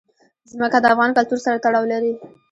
ځمکه د افغان کلتور سره تړاو لري.